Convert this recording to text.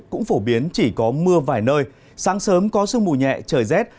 cũng phổ biến chỉ có mưa vài nơi sáng sớm có sương mù nhẹ trời rét